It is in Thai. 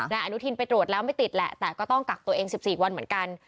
นายอนุทินไปตรวจแล้วไม่ติดแหละแต่ก็ต้องกักตัวเอง๑๔วันเหมือนกัน